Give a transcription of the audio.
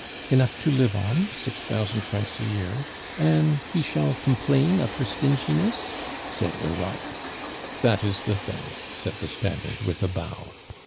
"Enough to live on six thousand francs a year; and we shall complain of her stinginess?" said Europe. "That is the thing," said the Spaniard, with a bow.